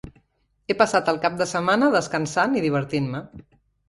He passat el cap de setmana descansant i divertint-me.